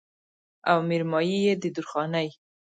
او مېرمايي يې د درخانۍ